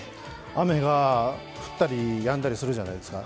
雨が降ったりやんだりするじゃないですか。